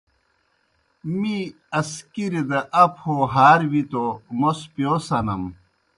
می اسکِریْ دہ اپوْ ہو ہار وی توْ موْس پِیؤ سنَم۔